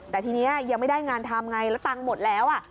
แต่ทีนี้ยังไม่ได้งานทำไงแล้วตังค์หมดแล้ว